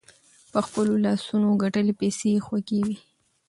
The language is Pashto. په خپلو لاسونو ګتلي پیسې خوږې وي.